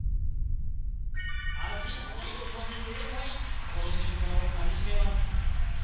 見事に正解この瞬間を噛みしめます